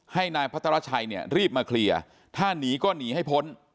ให้นายพัทรชัยเนี่ยรีบมาเคลียร์ถ้าหนีก็หนีให้พ้น